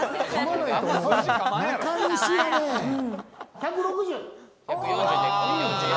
１６０。